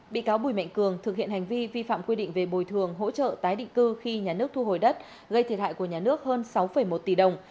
bị cáo bùi mạnh cường thực hiện hành vi vi phạm quy định về bồi thường hỗ trợ tái định cư khi nhà nước thu hồi đất gây thiệt hại của nhà nước hơn sáu một tỷ đồng